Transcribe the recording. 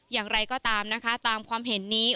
อย่างไรก็ตามนะคะตามความเห็นนี้